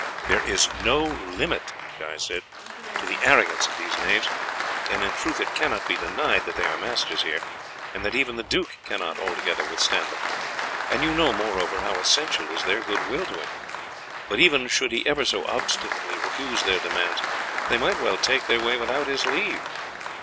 "There is no limit," he said, "to the arrogance of these knaves, and in truth it cannot be denied that they are masters here, and that even the duke cannot altogether withstand them; and you know, moreover, how essential is their goodwill to him. But even should he ever so obstinately refuse their demands they might well take their way without his leave.